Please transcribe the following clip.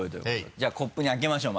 じゃあコップにあけましょう